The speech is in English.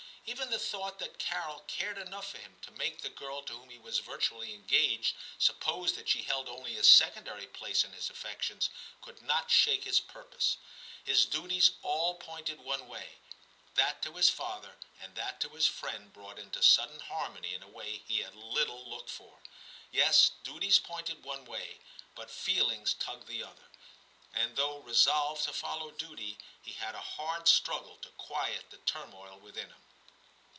Even the thought that Carol cared enough for him to make the girl to whom he was virtually engaged suppose that she held only a secondary place in his affections, could not shake his purpose. His duties all pointed one way — that to his father and that to his friend brought into sudden harmony in a way he had little looked for. Yes, duties pointed one way, but feelings tugged the other; and though resolved to follow duty, he had a hard struggle to quiet the turmoil within him.